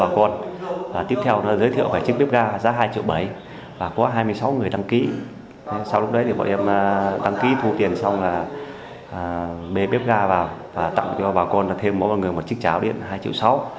các đối tượng đã đưa ra và tặng cho bà con thêm mỗi người một chiếc cháo điện hai triệu sáu